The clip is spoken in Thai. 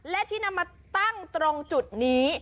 และที่นำมาตั้งตรงจุดนี้